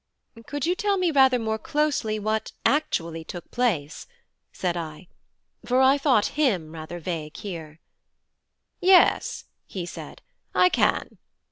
"Could you tell me rather more closely what actually took place?" said I; for I thought him rather vague here. "Yes," he said, "I can.